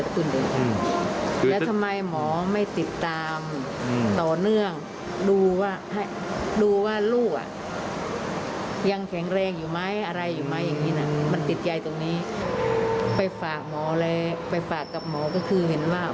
คือตรงนี้ไปฝากหมอเลยไปฝากกับหมอก็คือเห็นว่า